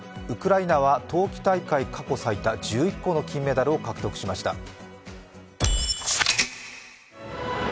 ウクライナは冬季大会過去最多１１個の金メダルを獲得しました。